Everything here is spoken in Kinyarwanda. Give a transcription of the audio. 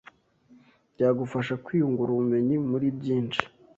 byagufasha kwiyungura ubumenyi muri byinshi